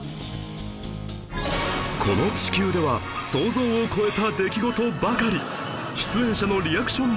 この地球では想像を超えた出来事ばかり